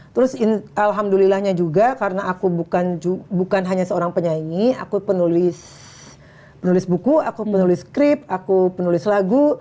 terus alhamdulillahnya juga karena aku bukan hanya seorang penyanyi aku penulis skript aku penulis lagu